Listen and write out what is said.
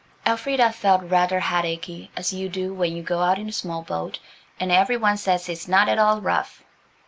Elfrida felt rather headachy, as you do when you go out in a small boat and every one says it is not at all rough.